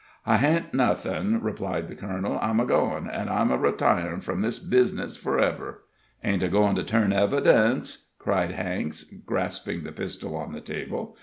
"I hain't nothin'," replied the colonel. "I'm a goin', an' I'm a retirin' from this bizness for ever." "Ain't a goin' to turn evidence?" cried Cranks, grasping the pistol on the table.